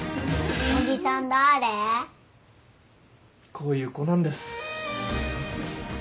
こういう子なんです。